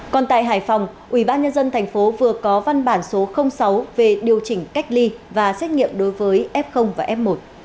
còn tại hải phòng ubnd tp vừa có văn bản số sáu về điều chỉnh cách ly và xét nghiệm đối với f và f một